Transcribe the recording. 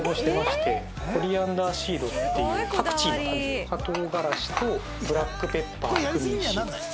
コリアンダーシードっていうパクチーの種赤唐辛子とブラックペッパークミンシード。